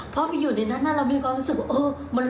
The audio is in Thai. พอไปอยู่ในนั้นเรามีความรู้สึกมันรุ้นตลอดเวลาเลย